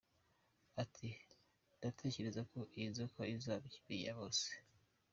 Ati “Ndatekereza ko iyi nzoka izaba ikimenyabose.